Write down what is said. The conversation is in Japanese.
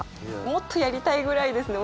もっとやりたいぐらいですね！